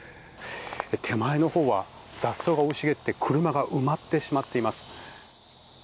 手前のほうは雑草が生い茂って車が埋まってしまっています。